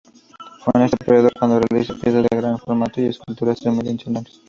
Fue en este periodo cuando realiza piezas de gran formato, y esculturas tridimensionales.